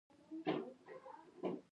يو ځانګړے مقام لري